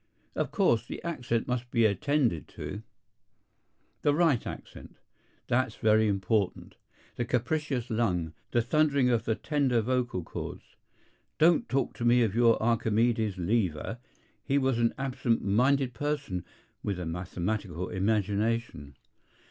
Of course, the accent must be attended to. The right accent. That's very important. The capacious lung, the thundering or the tender vocal chords. Don't talk to me of your Archimedes' lever. He was an absent minded person with a mathematical imagination.